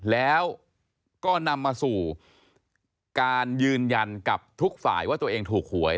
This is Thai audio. แล้วก็นำมาสู่การยืนยันกับทุกฝ่ายว่าตัวเองถูกหวย